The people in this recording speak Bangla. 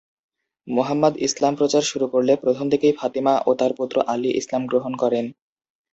মুহাম্মাদ ইসলাম প্রচার শুরু করলে, প্রথম দিকেই ফাতিমা ও তার পুত্র আলী ইসলাম গ্রহণ করেন।